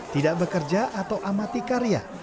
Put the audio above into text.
tidak bekerja atau amati karya